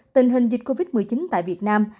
tình hình dịch covid một mươi chín tại việt nam